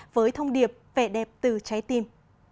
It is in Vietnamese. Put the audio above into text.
với thông điệp vẻ đẹp từ trái tim